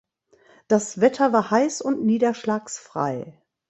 Das Wetter war heiß und niederschlagsfrei.